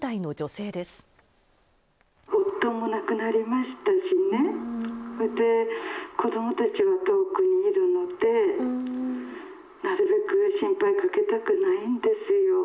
夫も亡くなりましたしね、それで子どもたちは遠くにいるので、なるべく心配かけたくないんですよ。